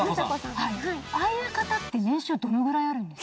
ああいう方って年収どのくらいあるんですか？